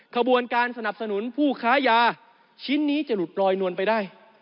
ขบวนการสนับสนุนผู้ค้ายาชิ้นนี้จะหลุดลอยนวลไปได้